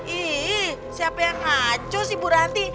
ih siapa yang ngaco sih bu ranti